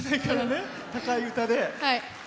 高い歌でね。